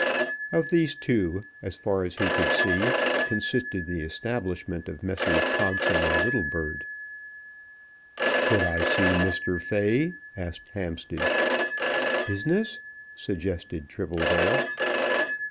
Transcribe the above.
Of these two, as far as he could see, consisted the establishment of Messrs. Pogson and Littlebird. "Could I see Mr. Fay?" asked Hampstead. "Business?" suggested Tribbledale.